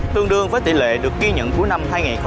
tương đương với tỷ lệ được ghi nhận cuối năm hai nghìn hai mươi một